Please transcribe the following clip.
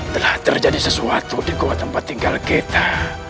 telah terjadi sesuatu di bawah tempat tinggal kita